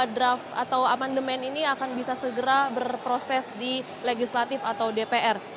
draft atau amandemen ini akan bisa segera berproses di legislatif atau dpr